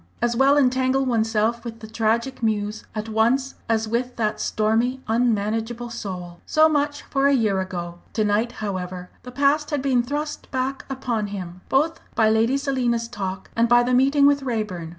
As well entangle oneself with the Tragic Muse at once as with that stormy, unmanageable soul! So much for a year ago. To night, however, the past had been thrust back upon him, both by Lady Selina's talk and by the meeting with Raeburn.